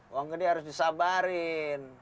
uang gede harus disabarin